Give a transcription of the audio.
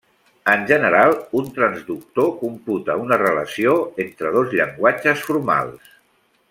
En general, un transductor computa una relació entre dos llenguatges formals.